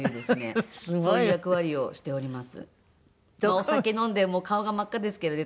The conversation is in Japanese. お酒飲んでもう顔が真っ赤ですけどね